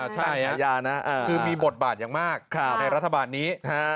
ใช่อาญานะคือมีบทบาทอย่างมากในรัฐบาลนี้